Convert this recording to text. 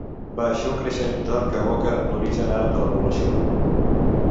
Baix, un creixent d'or que evoca l'origen àrab de la població.